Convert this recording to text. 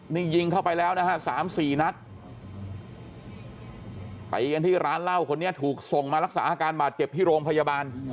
นี่ยิงเข้าไปแล้วนะฮะสามสี่นัดไปกันที่ร้านเหล้าคนนี้ถูกส่งมารักษาอาการบาดเจ็บที่โรงพยาบาล